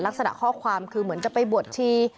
ลักษณะข้อความคือเหมือนจะไปบวชชี